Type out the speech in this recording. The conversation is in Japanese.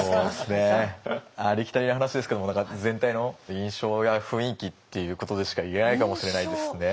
ありきたりな話ですけれども全体の印象や雰囲気っていうことでしか言えないかもしれないですね。